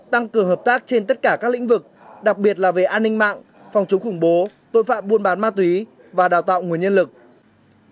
tăng cường hợp tác trên tất cả các lĩnh vực đặc biệt là về an ninh mạng phòng chống khủng bố tội phạm buôn bán ma túy và đào tạo nguồn nhân lực